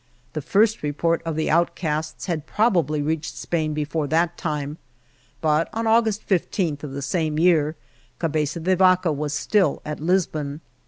The first report of the outcasts had probably reached Spain before that time, but on* August 15, of the same year, Cabeza de Vaca was still at Lisbon.